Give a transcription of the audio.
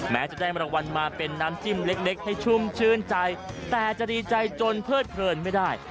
แม้จะได้มรางวัลมาเป็นน้ำจิ้มเล็กให้ชุ่มชื่นใจแต่จะดีใจจนเพิดเพลินไม่ได้